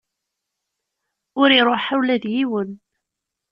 Ur iruḥ ara ula d yiwen.